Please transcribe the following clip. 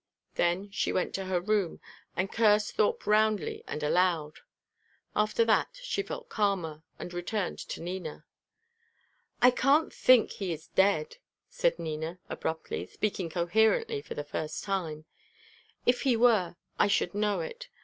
Then she went to her room, and cursed Thorpe roundly and aloud. After that she felt calmer, and returned to Nina. "I can't think he is dead," said Nina, abruptly, speaking coherently for the first time. "If he were, I should know it.